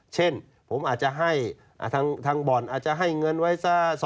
เช่นผมอาจจะให้ทางบ่อนอาจจะให้เงินไว้ซะ